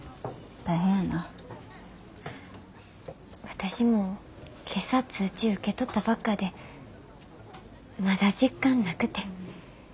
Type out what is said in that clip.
私も今朝通知受け取ったばっかでまだ実感なくて。